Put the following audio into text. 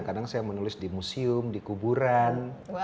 kadang saya menulis di museum di kuburan